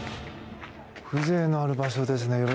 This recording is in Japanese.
風情のある場所ですね。